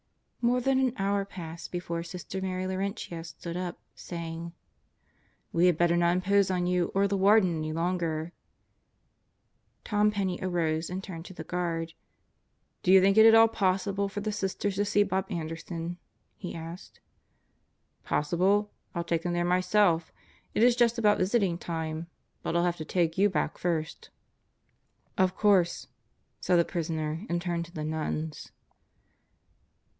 More than an hour passed before Sister Mary Laurentia stood up saying: "We had better not impose on you or the Warden any longer," Tom Penney arose and turned to the guard. "Do you think it at all possible for the Sisters to see Bob Anderson?" he asked. "Possible? I'll take them there myself. It is just about visiting time. But 111 have to take you back first ..." "Of course," said the prisoner and turned to the nuns.